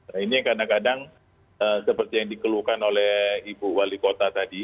nah ini yang kadang kadang seperti yang dikeluhkan oleh ibu wali kota tadi